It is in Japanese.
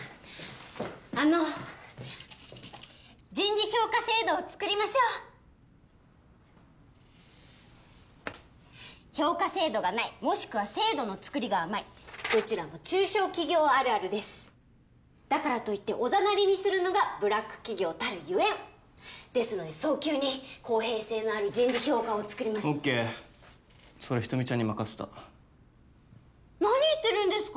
あの人事評価制度を作りましょう評価制度がないもしくは制度の作りが甘いどちらも中小企業あるあるですだからといっておざなりにするのがブラック企業たるゆえんですので早急に公平性のある人事評価を作りましょオーケーそれ人見ちゃんに任せた何言ってるんですか？